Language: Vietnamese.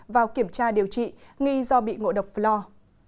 vào kiểm tra điều trị nghi do bị ngộ độc flore